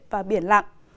và biển lặng